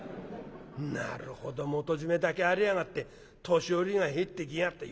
なるほど元締めだけありやがって年寄りが入ってきやがった。